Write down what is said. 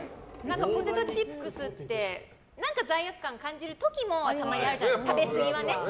ポテトチップスって罪悪感を感じる時もたまにあるじゃないですか食べすぎはね。